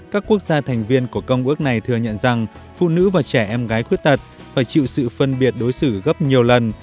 các quốc gia thành viên của công ước này thừa nhận rằng phụ nữ và trẻ em gái khuyết tật phải chịu sự phân biệt đối xử gấp nhiều lần